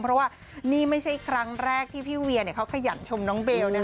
เพราะว่านี่ไม่ใช่ครั้งแรกที่พี่เวียเขาขยันชมน้องเบล